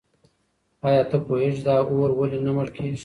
آیا ته پوهېږې چې دا اور ولې نه مړ کېږي؟